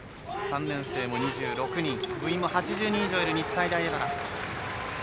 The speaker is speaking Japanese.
３年生も２６人部員も８０人以上いる日体大荏原。